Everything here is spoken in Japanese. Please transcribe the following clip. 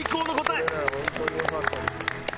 それなら本当によかったです。